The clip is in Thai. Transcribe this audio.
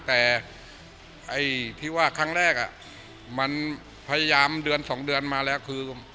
แต่ไอ้ที่ว่าครั้งแรกมันพยายามเดือนสองเดือนมาแล้วคือ